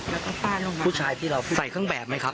แล้วก็ผู้ชายที่เราใส่เครื่องแบบไหมครับ